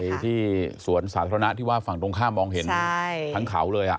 ไปที่สวนสาธารณะที่ว่าฝั่งตรงข้ามมองเห็นทั้งเขาเลย